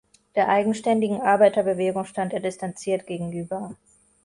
Der eigenständigen Arbeiterbewegung stand er distanziert gegenüber.